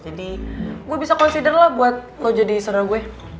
jadi gue bisa consider lah buat lo jadi saudara gue